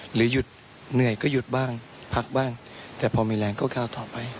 หรือหยุดเหนื่อยก็หยุดบ้างพักบ้างแต่พอมีแรงก็ก้าวต่อไป